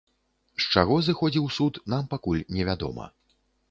З чаго зыходзіў суд, нам пакуль невядома.